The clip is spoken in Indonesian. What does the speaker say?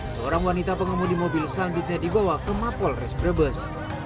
seorang wanita pengemudi mobil selanjutnya dibawa ke mapol resbrebes